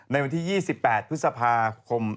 ในวันที่๒๘พฤษภาคม